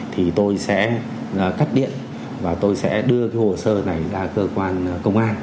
thì tôi sẽ cắt điện và tôi sẽ đưa cái hồ sơ này ra cơ quan công an